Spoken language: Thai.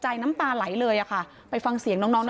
เชิงชู้สาวกับผอโรงเรียนคนนี้